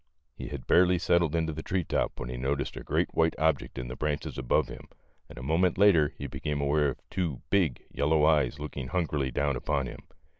He had barely settled in the tree top when he noticed a great white object in the branches above him, and a moment later he became aware of two big, yellow eyes looking hungrily down upon him.